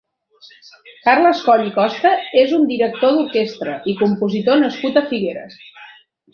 Carles Coll i Costa és un director d'orquestra i compositor nascut a Figueres.